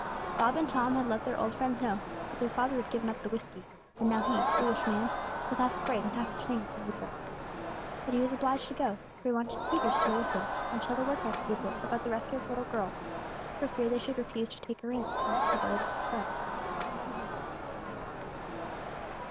Bob and Tom had let their old friends know that their father had given up the whisky, and now he, foolish man, felt half afraid and half ashamed to meet them; but he was obliged to go, for he wanted Peters to go with him, and tell the workhouse people about the rescue of the little girl, for fear they should refuse to take her in unless his story was confirmed.